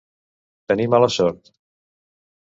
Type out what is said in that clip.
Tenir mala sort.